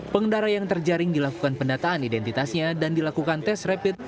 pengendara yang terjaring dilakukan pendataan identitasnya dan dilakukan tes rapid